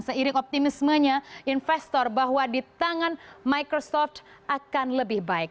seiring optimismenya investor bahwa di tangan microsoft akan lebih baik